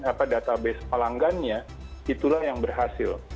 apa database pelanggannya itulah yang berhasil